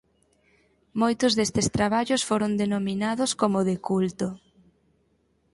Moitos destes traballos foron denominados como "de culto".